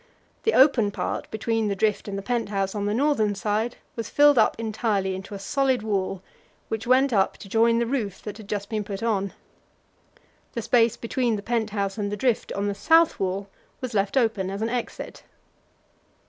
The open part between the drift and the pent house on the northern side was filled up entirely into a solid wall, which went up to join the roof that had just been put on. The space between the pent house and the drift on the south wall was left open as an exit.